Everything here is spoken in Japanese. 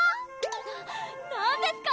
何ですか？